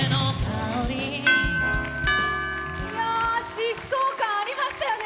疾走感ありましたよね